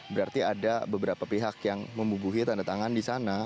berarti ada beberapa pihak yang membubuhi tanda tangan di sana